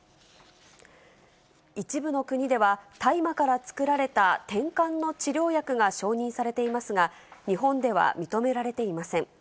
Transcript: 一部の国では、大麻から作られたてんかんの治療薬が承認されていますが、日本では認められていません。